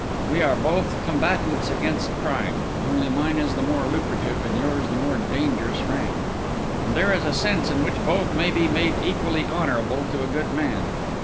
We are both combatants against crime; only mine is the more lucrative and yours the more dangerous rank, and there is a sense in which both may be made equally honourable to a good man.